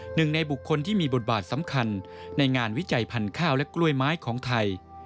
หนึ่งในบุคคลที่มีบทบาทสำคัญในงานวิจัยพันธุ์ข้าวและกล้วยไม้ของไทย